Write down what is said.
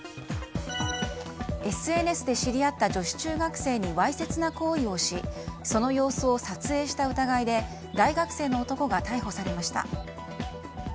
ＳＮＳで知り合った女子中学生にわいせつな行為をしその様子を撮影した疑いで大学生の男が逮捕されました。